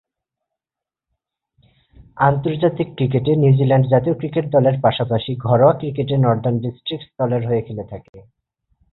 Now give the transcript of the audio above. আন্তর্জাতিক ক্রিকেটে নিউজিল্যান্ড জাতীয় ক্রিকেট দলের পাশাপাশি ঘরোয়া ক্রিকেটে নর্দান ডিস্ট্রিক্টস দলের হয়ে খেলে থাকেন।